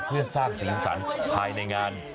เพื่อสร้างศีลสรรค์ภายในงาน